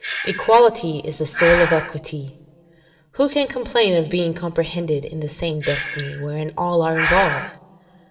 Equality is the soul of equity. Who can complain of being comprehended in the same destiny, wherein all are involved?